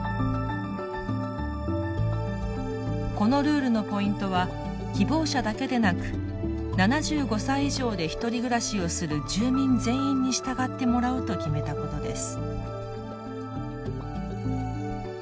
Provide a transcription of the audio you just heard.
このルールのポイントは希望者だけでなく７５歳以上でひとり暮らしをする住民全員に従ってもらうと決めたことです。